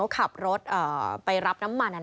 ขับรถไปรับน้ำมัน